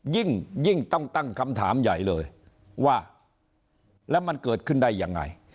ยิ่งต้องตั้งคำถามใหญ่เลยว่าแล้วมันเกิดขึ้นได้ยังไง